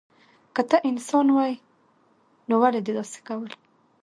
که ته انسان وای نو ولی دی داسی کول